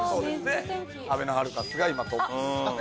あべのハルカスが今トップですよね。